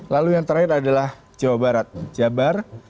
lalu yang terakhir adalah jawa barat jabar